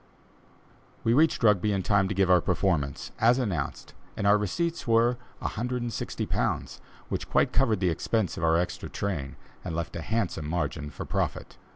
We reached Rugby in time to give our performance, as announced, and our receipts were £160, which quite covered the expense of our extra train and left a handsome margin for profit.